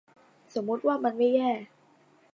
สมมติว่ามันไม่แย่